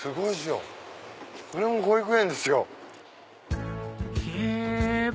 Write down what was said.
あれも保育園ですよ。